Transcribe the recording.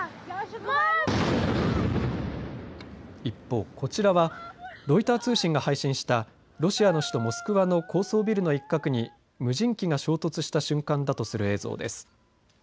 一方、こちらはロイター通信が配信したロシアの首都モスクワの高層ビルの一角に無人機が衝突した瞬間だとする映像です。